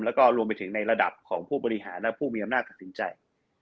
แล้วก็รวมไปถึงในระดับของผู้บริหารและผู้มีอำนาจตัดสินใจ